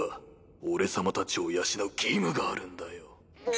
俺様たちを養う義務があるんだよ。